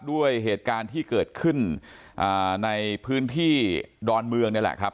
ด้วยเหตุการณ์ที่เกิดขึ้นในพื้นที่ดอนเมืองนี่แหละครับ